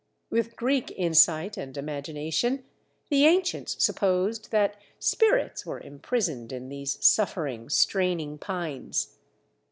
With Greek insight and imagination, the ancients supposed that spirits were imprisoned in these suffering, straining pines.